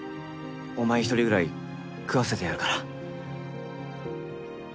お前一人ぐらい食わせてやるから。